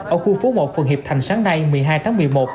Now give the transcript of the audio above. ở khu phố một phường hiệp thành sáng nay một mươi hai tháng một mươi một